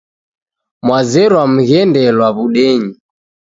Mwazerwa mghendelwa w'udenyi